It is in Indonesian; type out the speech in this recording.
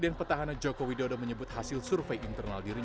terakhir baik jokowi maupun prabowo sama sama berkampanye di jawa barat